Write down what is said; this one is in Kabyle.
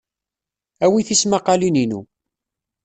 Awi tismaqalin-inu.